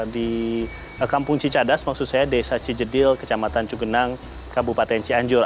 di kampung cicadas maksud saya desa cijedil kecamatan cugenang kabupaten cianjur